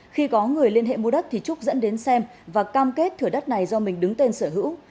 khi có người liên hệ mua đất thì trúc dẫn đến xem và cam kết thửa đất này do mình đứng tên sở hữu